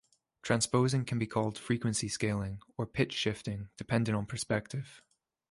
Transposing can be called "frequency scaling" or "pitch shifting", depending on perspective.